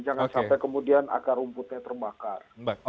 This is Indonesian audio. jangan sampai kemudian akar rumputnya terbakar